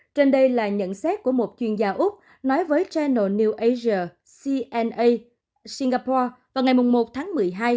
trên đây là nhận xét của một chuyên gia úc nói với chainal new asia cna singapore vào ngày một tháng một mươi hai